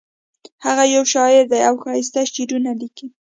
هغه یو شاعر ده او ښایسته شعرونه لیکي